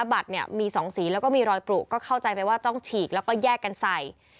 บัตรเนี่ยมี๒สีแล้วก็มีรอยปลุก็เข้าใจไปว่าต้องฉีกแล้วก็แยกกันใส่